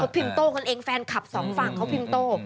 พิมโตกันเองแฟนคับสองฝั่งเขาพิมโต